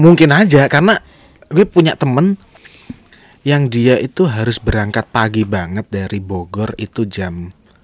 mungkin aja karena gue punya temen yang dia itu harus berangkat pagi banget dari bogor itu jam